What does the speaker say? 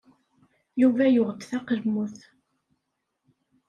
Yuba yuɣ-d taqelmut.